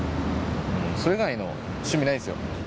それ以外の趣味ないんですよ。